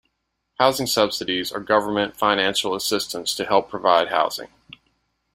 Housing subsidies are government financial assistance to help provide housing.